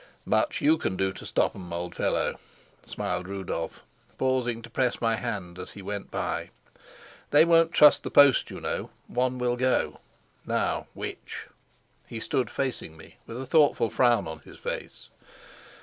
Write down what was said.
"Much you can do to stop 'em, old fellow," smiled Rudolf, pausing to press my hand as he went by. "They won't trust the post, you know. One will go. Now which?" He stood facing me with a thoughtful frown on his face.